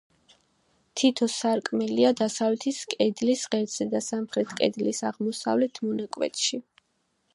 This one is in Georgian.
თითო სარკმელია დასავლეთის კედლის ღერძზე და სამხრეთ კედლის აღმოსავლეთ მონაკვეთში.